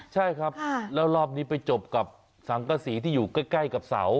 ใช่ครับแล้วรอบนี้ไปจบกับสังกษีที่อยู่ใกล้กับเสา